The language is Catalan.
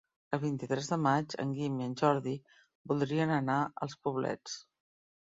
El vint-i-tres de maig en Guim i en Jordi voldrien anar als Poblets.